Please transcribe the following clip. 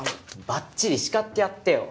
ばっちり叱ってやってよ。